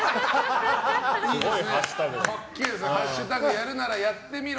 「＃やるならやってみろ」。